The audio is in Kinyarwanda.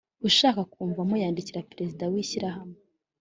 ushaka kuvamo yandikira Perezida w ishyirahamwe